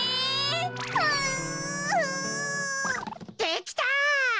できた！